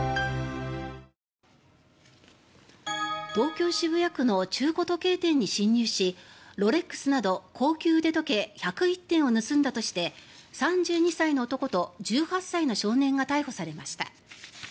東京・渋谷区の中古時計店に侵入しロレックスなど高級腕時計１０１点を盗んだとして３２歳の男と１８歳の少年が逮捕されました。